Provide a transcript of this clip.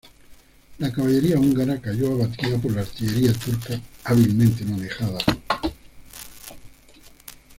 La caballería húngara cayó abatida por la artillería turca hábilmente manejada.